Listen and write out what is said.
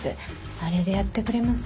あれでやってくれません？